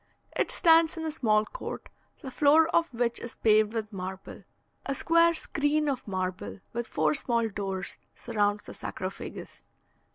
It stands in a small court, the floor of which is paved with marble. A square screen of marble, with four small doors, surrounds the sarcophagus.